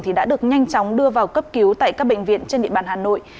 thì đã được nhanh chóng đưa vào cấp cứu tại các bệnh viện trên địa bàn hà nội